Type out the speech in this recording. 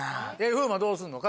風磨どうすんの？